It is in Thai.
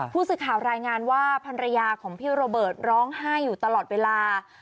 ผู้สื่อข่าวรายงานว่าภรรยาของพี่โรเบิร์ตร้องไห้อยู่ตลอดเวลา